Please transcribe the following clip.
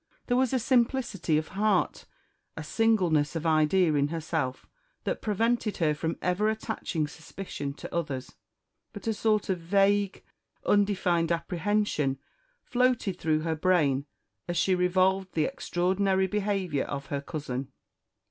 There was a simplicity of heart, a singleness of idea in herself, that prevented her from ever attaching suspicion to others. But a sort of vague, undefined apprehension floated through her brain as she revolved the extraordinary behaviour of her cousin.